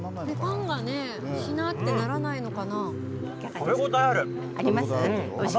パンがしなってならないのかな。あります？